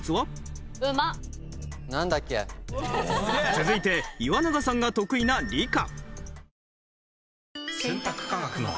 続いて岩永さんが得意な理科。